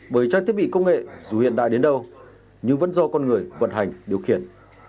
bởi trang thiết bị công nghệ dù hiện đại đến đâu nhưng vẫn do con người vận hành điều khiển